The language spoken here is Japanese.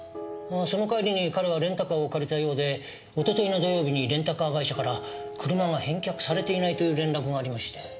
その帰りに彼はレンタカーを借りたようでおとといの土曜日にレンタカー会社から車が返却されていないという連絡がありまして。